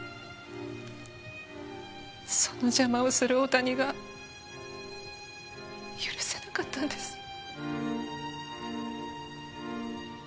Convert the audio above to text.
その邪魔をする大谷が許せなかったんです。